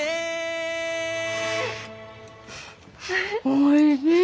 おいしい！